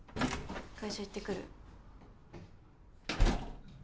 会社行ってくる。